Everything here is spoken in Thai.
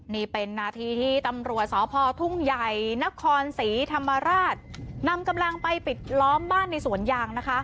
นี่เป็นนาทีที่ตำรวจสพทุ่งใหญ่นครศรีธรรมราชนำกำลังไปปิดล้อมบ้านในสวนยางนะคะ